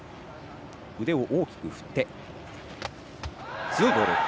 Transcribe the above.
腕を大きく振って強いボール。